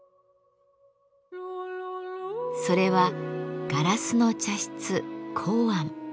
それは「ガラスの茶室−光庵」。